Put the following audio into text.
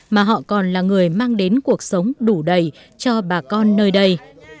mà họ còn là người mang đến cuộc sống đủ đầy cho bà con nơi đây